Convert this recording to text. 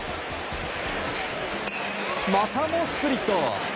またもスプリット。